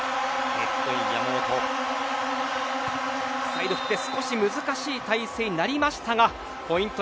サイドに振って少し難しい体勢になりましたがポイント